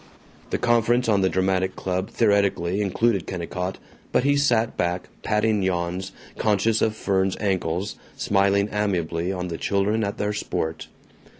The conference on a dramatic club theoretically included Kennicott, but he sat back, patting yawns, conscious of Fern's ankles, smiling amiably on the children at their sport.